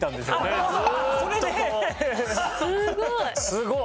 すごい。